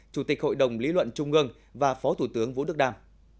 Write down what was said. chủ tịch hội đồng lý luận trung ương và phó thủ tướng vũ đức đam